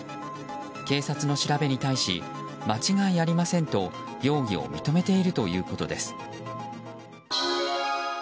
警察の調べに対し間違いありませんと容疑を認めているということです。